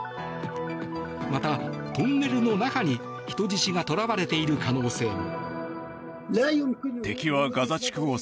また、トンネルの中に人質が捕らわれている可能性も。